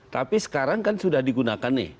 tapi sekarang kan sudah digunakan nih